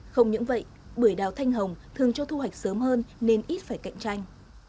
không những vậy bưởi đào thanh hồng thường cho thu hoạch sớm hơn nên ít phải cạnh tranh